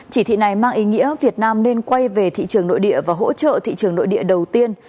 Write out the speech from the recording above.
chỉ thị này mang ý nghĩa việt nam nên quay về thị trường nội địa và hỗ trợ thị trường nội địa đầu tiên